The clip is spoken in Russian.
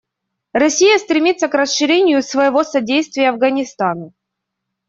Россия стремится к расширению своего содействия Афганистану.